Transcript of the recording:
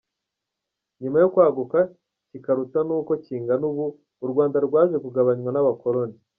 Nyuma yo kwaguka kikaruta n’uko kingana ubu, u Rwanda rwaje kugabanywa n’abakoloni.